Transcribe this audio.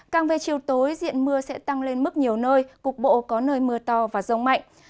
càng về chiều tối diện mưa sẽ tăng lên mức nhiều nơi cục bộ có nơi mưa to và rông mạnh